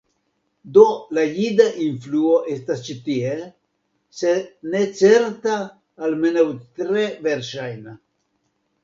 Do la jida influo estas ĉi tie, se ne certa, almenaŭ tre verŝajna.